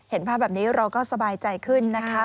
เห็นภาพแบบนี้เราก็สบายใจขึ้นนะคะ